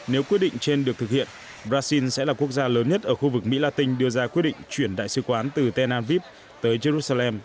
nếu quyết định trên được thực hiện brazil sẽ là quốc gia lớn nhất ở khu vực mỹ la tinh đưa ra quyết định chuyển đại sứ quán từ tel aviv tới jerusalem